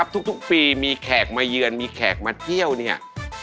ทุกปีมีแขกมาเยือนมีแขกมาเที่ยวเนี่ย